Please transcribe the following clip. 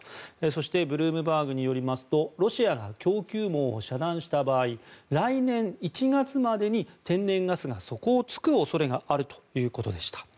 そしてブルームバーグによりますとロシアが供給網を遮断した場合来年１月までに天然ガスが底を突く恐れがあるということでした。